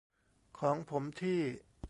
ของผมที่